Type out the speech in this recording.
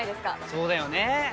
そうだよね。